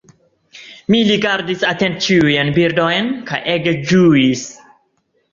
Mi rigardis atente ĉiujn bildojn kaj ege ĝuis.